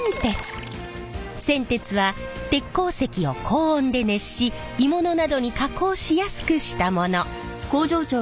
銑鉄は鉄鉱石を高温で熱し鋳物などに加工しやすくしたもの。